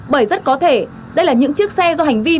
bởi rất có thể đây là những chiếc xe do hành vi vi phạm pháp luật mà có